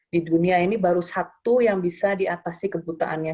di dunia ini baru satu yang bisa diatasi kebutaannya